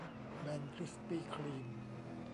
แบนคริสปี้ครีม